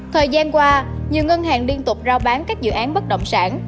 thời gian qua nhiều ngân hàng liên tục giao bán các dự án bất động sản